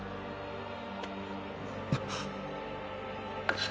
あっ。